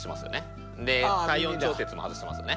で体温調節も外してますよね。